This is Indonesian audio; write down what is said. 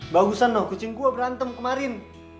bagusan loh kucing gue berantem kemarin